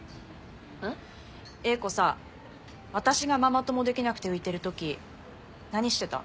英子さ私がママ友できなくて浮いてる時何してた？